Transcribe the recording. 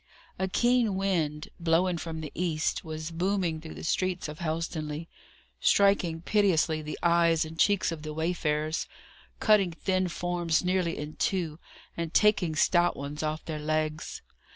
A keen wind, blowing from the east, was booming through the streets of Helstonleigh, striking pitilessly the eyes and cheeks of the wayfarers, cutting thin forms nearly in two, and taking stout ones off their legs.